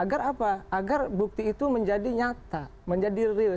agar bukti itu menjadi nyata menjadi real